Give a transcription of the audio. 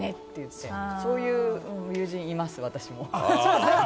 そういう友人います、私も。